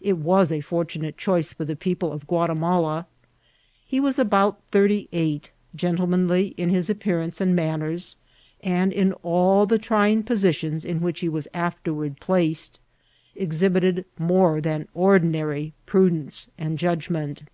It was a fortunate choice for the people of Quatimala. He was about thirty eight, gentleman ly in his appearance and manners, and, in all the trying positions in which he was afterward placed, exhibited more than ordinary prudence and judgment.